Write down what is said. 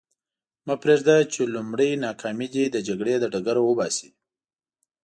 مه پرېږده چې لومړۍ ناکامي دې د جګړې له ډګر وباسي.